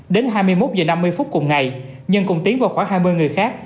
đến hai mươi một h năm mươi phút cùng ngày nhân cùng tiến và khoảng hai mươi người khác